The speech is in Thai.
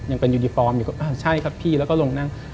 ยังเป็นยูนิปลอมอยู่ก็อ่าใช่ครับพี่แล้วก็ลงนั่ง